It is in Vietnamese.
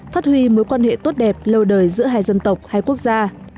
phát huy mối quan hệ tốt đẹp lâu đời giữa hai dân tộc hai quốc gia